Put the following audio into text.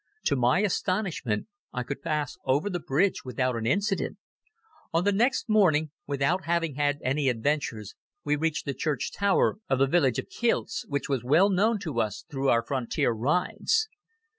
To my astonishment I could pass over the bridge without an incident. On the next morning, without having had any adventures, we reached the church tower of the village of Kieltze, which was well known to us through our frontier rides.